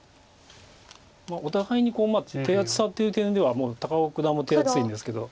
お互いに手厚さっていう点では高尾九段も手厚いんですけど。